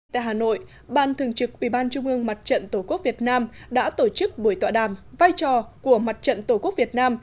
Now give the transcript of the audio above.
tại hà nội ban thường trực ubnd đã tổ chức buổi tọa đàm vai trò của mặt trận tổ quốc việt nam